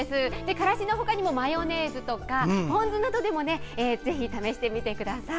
からしの他にもマヨネーズとかポン酢などもぜひ試してみてください。